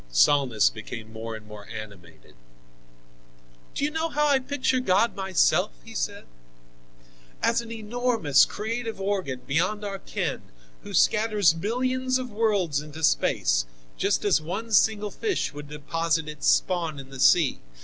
Salnis became more and more animated. "Do you know how I picture God myself?" he said. "As an enormous, creative organ beyond our ken, who scatters millions of worlds into space, just as one single fish would deposit its spawn in the sea.